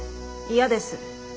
嫌です。